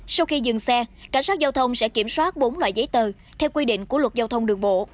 sau khi dừng xe cảnh sát giao thông sẽ kiểm soát bốn loại giấy tờ theo quy định của luật giao thông đường bộ